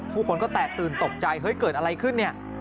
ผู้คนก็แตกตื่นตกใจเฮ้ยเกิดอะไรขึ้นเนี่ย